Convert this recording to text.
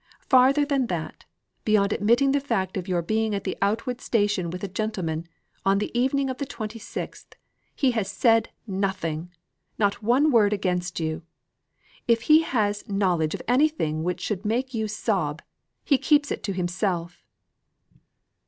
Farther than that beyond admitting the fact of your being at the Outwood station with a gentleman, on the evening of the twenty sixth he has said nothing not one word against you. If he has knowledge of anything which should make you sob so, he keeps it to himself."